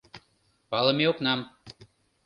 Палыме окнам.